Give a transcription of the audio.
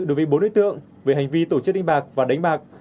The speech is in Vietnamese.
đối với bốn đối tượng về hành vi tổ chức đánh bạc và đánh bạc